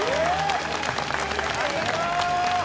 ありがとう！